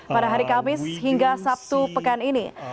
pada hari kamis hingga sabtu pekan ini